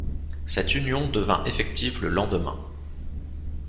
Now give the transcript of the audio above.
Cette union devint effective le lendemain.